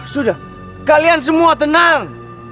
sudah kalian semua tenang